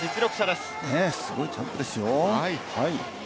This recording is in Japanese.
すごいジャンプですよ。